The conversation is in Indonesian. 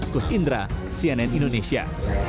gus indra cnn indonesia